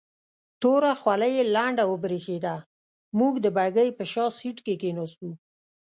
توره خولۍ یې لنده او برېښېده، موږ د بګۍ په شا سیټ کې کېناستو.